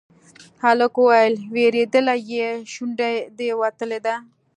هلک وويل: وېرېدلی يې، شونډه دې وتلې ده.